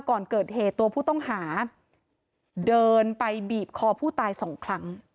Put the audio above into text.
ก่อนเกิดเหตุตัวผู้ต้องหาเดินไปบีบคอผู้ตายสองครั้ง